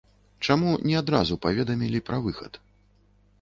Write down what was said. Чаму не адразу паведамілі пра выхад?